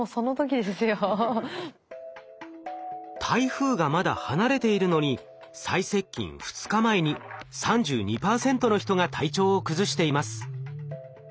台風がまだ離れているのに最接近２日前に３２％の人が体調を崩しています。